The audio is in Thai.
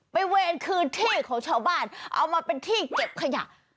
เวรคืนที่ของชาวบ้านเอามาเป็นที่เก็บขยะ